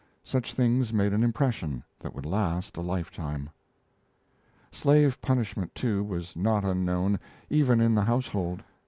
Such things made an impression that would last a lifetime. Slave punishment, too, was not unknown, even in the household.